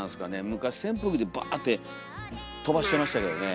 昔扇風機でバーッてとばしてましたけどね。